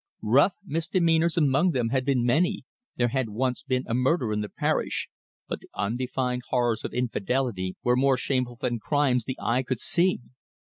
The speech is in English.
Rough misdemeanours among them had been many, there had once been a murder in the parish, but the undefined horrors of infidelity were more shameful than crimes the eye could see.